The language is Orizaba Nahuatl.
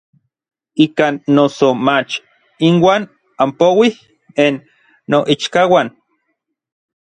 Ikan noso mach inuan anpouij n noichkauan.